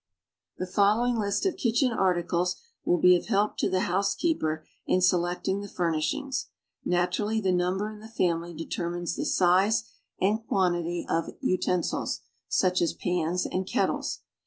The following list of kitchen articles will be of help to the housekeeper in selecting the furnishings. Naturally the number in the family determines the size and quantity of utensils, such as pans and kettles.